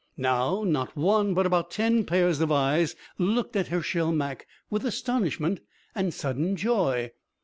Now not one but about ten pairs of eyes looked at Hershel Mak, with astonishment and sudden joy.